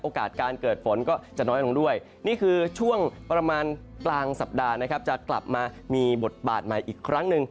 การเกิดฝนก็จะน้อยลงด้วยนี่คือช่วงประมาณกลางสัปดาห์นะครับจะกลับมามีบทบาทใหม่อีกครั้งหนึ่ง